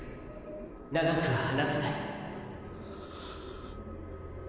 長くは話せない。